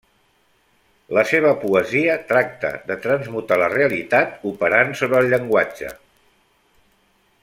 La seva poesia tracta de transmutar la realitat operant sobre el llenguatge.